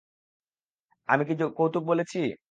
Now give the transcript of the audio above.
আমি কি কৌতুক বলেছি?